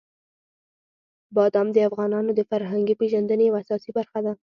بادام د افغانانو د فرهنګي پیژندنې یوه اساسي برخه ده.